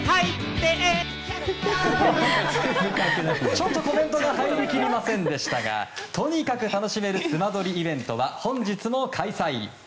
ちょっとコメントが入りきりませんでしたがとにかく楽しめるスマドリイベントは本日も開催。